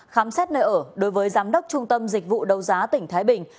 khám xét nơi ở đối với giám đốc trung tâm dịch vụ đấu giá tỉnh thái bình